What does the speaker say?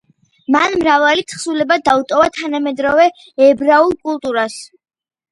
მან მრავალი თხზულება დაუტოვა თანამედროვე ებრაულ კულტურას.